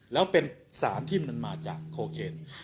แล้วเป็นสารที่มันมาจากโคเคน